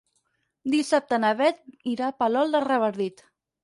Dissabte na Beth irà a Palol de Revardit.